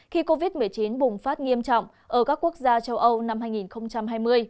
khi covid một mươi chín bùng phát nghiêm trọng ở các quốc gia châu âu năm hai nghìn hai mươi